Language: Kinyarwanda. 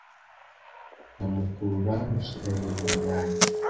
ndamukurura mushyira hejuru yanjye